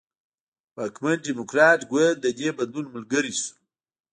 واکمن ډیموکراټ ګوند د دې بدلون ملګری شو.